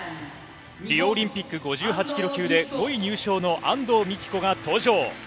リオオリンピック５８キロ級で５位入賞の安藤美希子が登場。